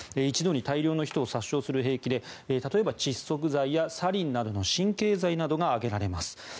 一度に大量の人を殺傷する兵器で例えば窒息剤やサリンなどの神経剤などが挙げられます。